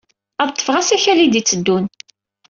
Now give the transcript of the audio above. Ad ḍḍfeɣ asakal ay d-yetteddun.